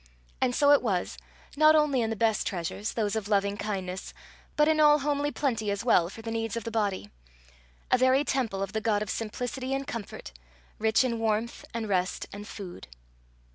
And so it was not only in the best treasures, those of loving kindness, but in all homely plenty as well for the needs of the body a very temple of the God of simplicity and comfort rich in warmth and rest and food.